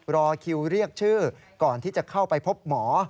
รอคิวเรียกชื่อก่อนที่จะเข้าไปพบหมอ